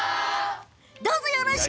どうぞ、よろしく！